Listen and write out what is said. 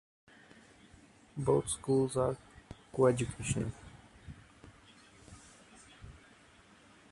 Both schools are coeducational.